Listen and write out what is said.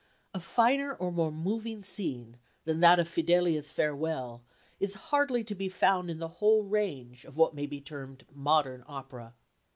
A finer or more moving scene than that of Fidelia's farewell is hardly to be found in the whole range of what may be termed modern opera.